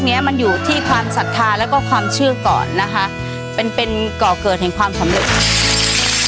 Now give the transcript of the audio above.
เนี้ยมันอยู่ที่ความศรัทธาแล้วก็ความเชื่อก่อนนะคะเป็นเป็นก่อเกิดแห่งความสำเร็จ